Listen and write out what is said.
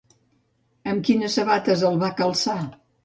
Amb quines sabates el va calçar?